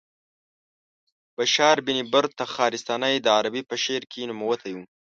بشار بن برد تخارستاني د عربو په شعر کې نوموتی و.